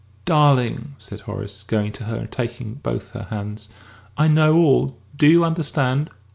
"Darling!" said Horace, going to her and taking both her hands, "I know all do you understand?